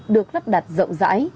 được lắp đặt rộng rãi